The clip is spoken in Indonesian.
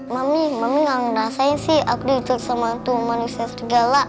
mami mami gak ngerasain sih aku dicurus sama itu manusia serigala